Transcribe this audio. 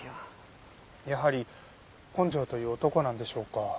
やはり本庄という男なんでしょうか。